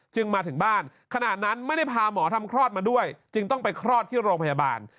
มาถึงบ้านขณะนั้นไม่ได้พาหมอทำคลอดมาด้วยจึงต้องไปคลอดที่โรงพยาบาล